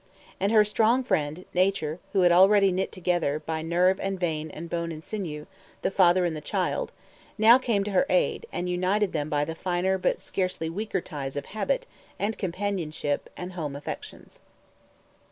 And her strong friend, Nature, who had already knit together, by nerve and vein and bone and sinew, the father and the child, now came to her aid, and united them by the finer but scarcely weaker ties of habit and companionship and home affections.